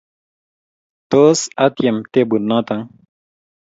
Tos, atyem tebut noto